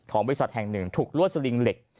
บริษัทแห่งหนึ่งถูกลวดสลิงเหล็ก